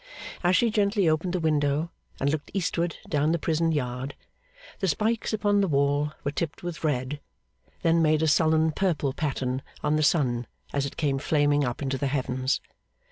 As she gently opened the window, and looked eastward down the prison yard, the spikes upon the wall were tipped with red, then made a sullen purple pattern on the sun as it came flaming up into the heavens.